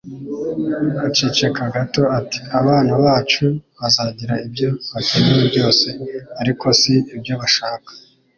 Aceceka gato ati: "Abana bacu bazagira ibyo bakeneye byose, ariko si ibyo bashaka".